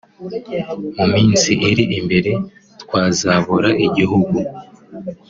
mu minsi iri imbere twazabura igihugu